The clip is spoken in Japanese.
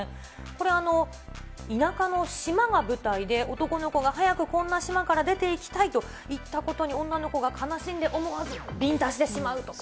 これ、田舎の島が舞台で、男の子が早くこんな島から出ていきたいと言ったことに、女の子に悲しんで思わずビンタしてしまうと。